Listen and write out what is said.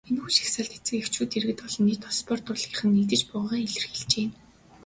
Энэхүү жагсаалд эцэг эхчүүд, иргэд олон нийт, спорт, урлагийнхан нэгдэж буйгаа илэрхийлжээ.